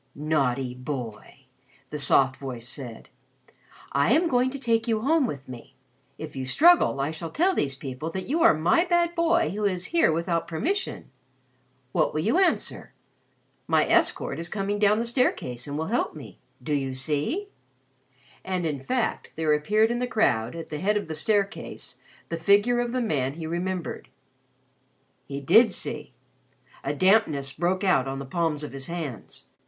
"Naughty boy!" the soft voice said. "I am going to take you home with me. If you struggle I shall tell these people that you are my bad boy who is here without permission. What will you answer? My escort is coming down the staircase and will help me. Do you see?" And in fact there appeared in the crowd at the head of the staircase the figure of the man he remembered. He did see. A dampness broke out on the palms of his hands.